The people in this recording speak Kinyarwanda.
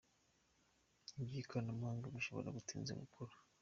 by'ikoranabuhanga, bishobora gutinza gukura.